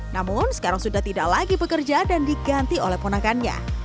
namun sekarang sudah tidak lagi bekerja dan diganti oleh ponakannya